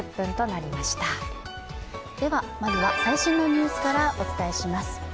まずは、最新のニュースからお伝えします。